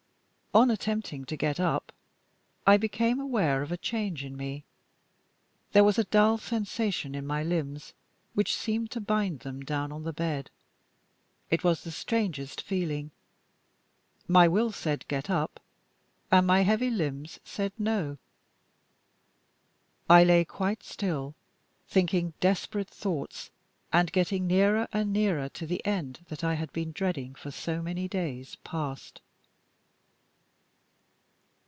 On attempting to get up, I became aware of a change in me. There was a dull sensation in my limbs which seemed to bind them down on the bed. It was the strangest feeling. My will said, Get up and my heavy limbs said, No. I lay quite still, thinking desperate thoughts, and getting nearer and nearer to the end that I had been dreading for so many days past.